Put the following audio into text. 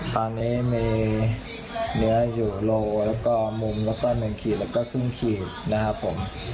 ตอนนี้มีเนื้ออยู่โลแล้วก็มุมแล้วก็๑ขีดแล้วก็ครึ่งขีดนะครับผม